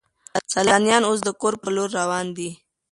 سیلانیان اوس د کور په لور روان دي.